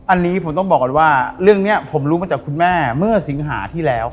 อันนี้ผมต้องบอกก่อนว่าเรื่องนี้ผมรู้มาจากคุณแม่เมื่อสิงหาที่แล้ว